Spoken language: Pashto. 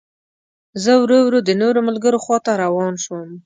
زه ورو ورو د نورو ملګرو خوا ته روان شوم.